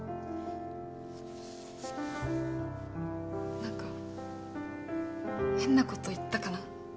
何か変なこと言ったかな私。